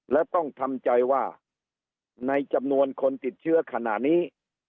และต้องทำใจว่าในจำนวนคนติดเชื้อขณะนี้